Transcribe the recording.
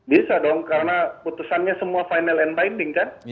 bisa dong karena putusannya semua final and binding kan